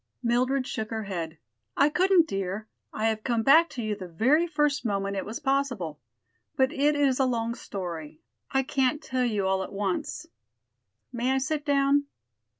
Mildred shook her head. "I couldn't, dear. I have come back to you the very first moment it was possible. But it is a long story. I can't tell you all at once. May I sit down?"